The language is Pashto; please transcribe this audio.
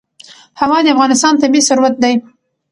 هوا د افغانستان طبعي ثروت دی.